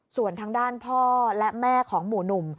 ส่วนทางด้านพ่อและแม่ของหมู่หนุ่ม